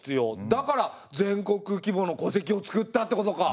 だから全国規模の戸籍をつくったってことか。